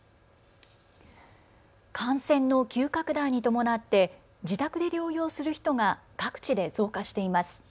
感染の急拡大に伴って自宅で療養する人が各地で増加しています。